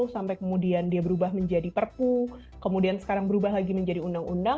sampai kemudian dia berubah menjadi perpu kemudian sekarang berubah lagi menjadi undang undang